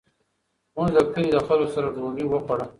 موږ د کلي له خلکو سره ډوډۍ وخوړه.